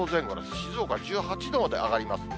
静岡１８度まで上がります。